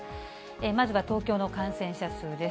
まずは東京の感染者数です。